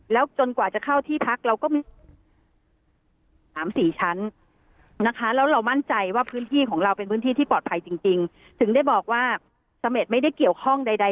แล้วจนกว่าจะเข้าที่พักเราก็